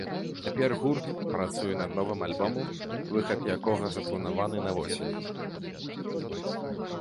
Цяпер гурт працуе над новым альбомам, выхад якога запланаваны на восень.